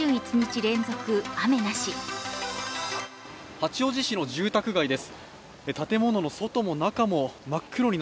八王子市の住宅街です。